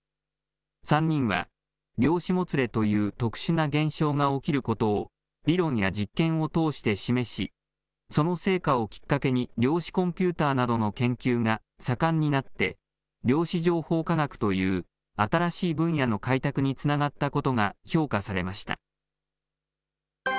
３人は、量子もつれという特殊な現象が起きることを理論や実験を通して示し、その成果をきっかけに、量子コンピューターなどの研究が盛んになって、量子情報科学という新しい分野の開拓につながったことが評価されました。